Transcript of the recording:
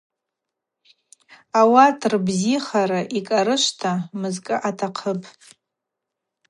Ауат рбзихара йкӏарышвта мызкӏы атахъыпӏ.